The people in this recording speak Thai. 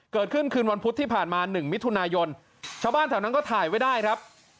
คืนวันพุธที่ผ่านมา๑มิถุนายนชาวบ้านแถวนั้นก็ถ่ายไว้ได้ครับ